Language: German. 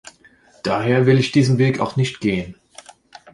Daher will ich diesen Weg auch nicht gehen.